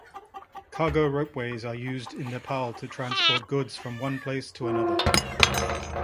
Cargo ropeways are used in Nepal to transport goods from one place to another.